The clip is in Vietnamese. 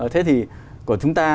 thế thì của chúng ta